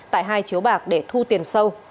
tại hai chiếu bạc để thu tiền sâu